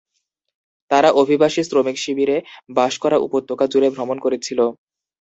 তারা অভিবাসী শ্রমিক শিবিরে বাস করা উপত্যকা জুড়ে ভ্রমণ করেছিল।